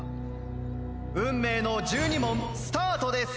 運命の１２問スタートです。